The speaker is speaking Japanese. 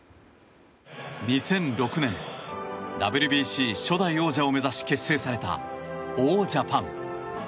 ２００６年、ＷＢＣ初代王者を目指し結成された王ジャパン。